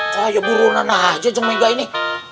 kayak burung nanah aja jeng mega ini